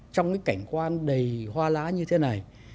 trong cái cảnh quan đầy hoa lá như thế này